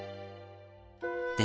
で